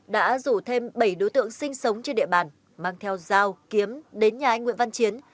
đã rủ thêm bảy đối tượng sinh sống trên địa bàn mang theo dao kiếm đến nhà anh nguyễn văn chiến